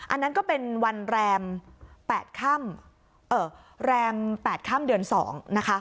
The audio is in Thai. อันนั้นก็เป็นวันแรม๘ค่ำแรม๘ค่ำเดือน๒นะคะ